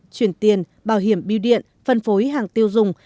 chuyển tiền bảo hiểm biêu điện phân phối hàng tiêu dùng